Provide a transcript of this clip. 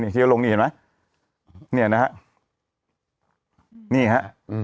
เขียนลงนี้เห็นมั้ยเนี่ยนะฮะ